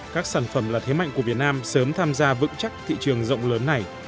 các sản phẩm là thế mạnh của việt nam sớm tham gia vững chắc thị trường rộng lớn này